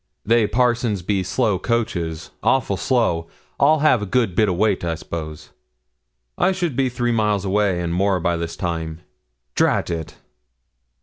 'They parsons be slow coaches awful slow. I'll have a good bit to wait, I s'pose. I should be three miles away and more by this time drat it!'